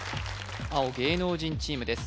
青芸能人チームです